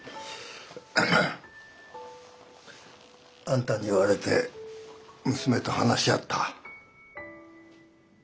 あんたに言われて娘と話し合った。